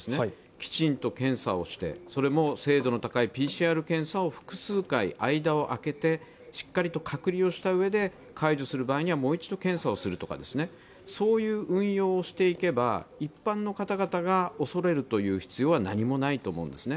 きちんと検査をして、それも精度の高いＰＣＲ検査を複数回、間を空けてしっかりと隔離をしたうえで解除する場合にはもう一度検査をするとか、そういう運用をしていけば一般の方々が恐れる必要は何もないと思うんですね。